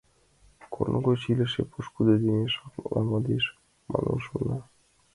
Корно гоч илыше пошкудо дене шахматла модеш манын шона.